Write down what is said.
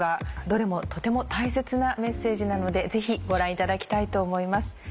どれもとても大切なメッセージなのでぜひご覧いただきたいと思います。